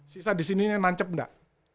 sisa di sini nancep enggak